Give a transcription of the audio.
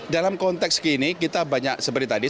dalam konteks ini kita banyak seperti tadi